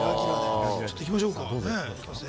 ちょっといきましょうか。